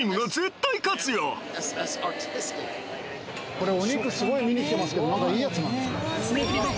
これお肉すごい見に来てますけど何かいいやつなんですか？